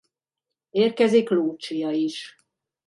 Érkezik Lucia is.